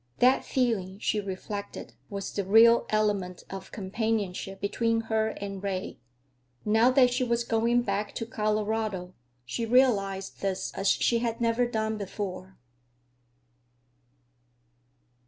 That feeling, she reflected, was the real element of companionship between her and Ray. Now that she was going back to Colorado, she realized this as she had not done before.